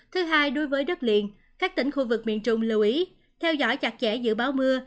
thứ hai đối với đất liền các tỉnh khu vực miền trung lưu ý theo dõi chặt chẽ dự báo mưa